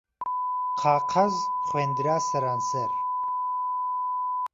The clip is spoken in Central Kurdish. قاقەز خوێندرا سەرانسەر